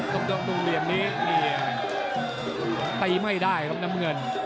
ตรงตรงเหลี่ยนนี้ตรงนั้นแท้ไม่ได้ครับแม่เมือง